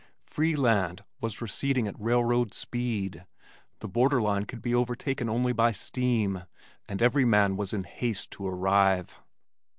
Free land was receding at railroad speed, the borderline could be overtaken only by steam, and every man was in haste to arrive.